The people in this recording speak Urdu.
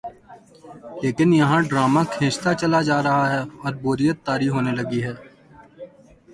لیکن یہاں ڈرامہ کھنچتا چلا جارہاہے اوربوریت طاری ہونے لگی ہے۔